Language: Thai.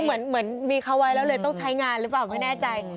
เหมือนมีเขาไว้แล้วเลยต้องใช้งานหรือเปล่าไม่แน่ใจ